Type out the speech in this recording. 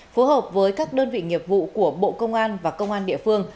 phối hợp với các đơn vị nghiệp vụ của bộ công an và công an địa phương